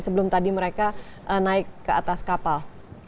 sebelum tadi mereka naik ke atas kapal